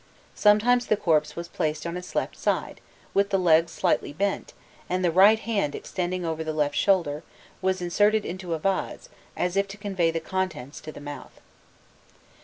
Sometimes the corpse was placed on its left side, with the legs slightly bent, and the right hand, extending over the left shoulder, was inserted into a vase, as if to convey the contents to the mouth.